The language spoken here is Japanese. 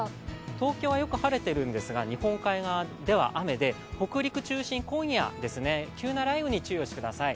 東京はよく晴れているんですが日本海側では雨で北陸中心、今夜、急な雷雨に注意をしてください。